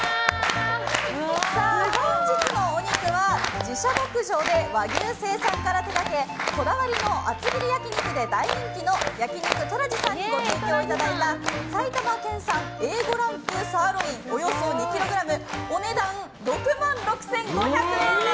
本日のお肉は自社牧場で和牛生産から手がけこだわりの厚切り焼き肉で大人気の焼肉トラジさんにご提供いただいた埼玉県産Ａ５ランクサーロインおよそ２ｋｇお値段６万６５００円です！